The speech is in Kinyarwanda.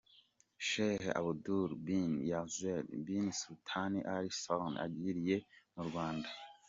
H Sheikh Abdullah bin Zayed bin Sultan Al Nahyan yagiriye mu Rwanda.